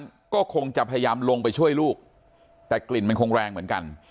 ก็คงจะพยายามลงไปช่วยลูกแต่กลิ่นมันคงแรงเหมือนกัน